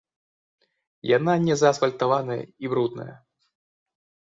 Яна незаасфальтаваная і брудная.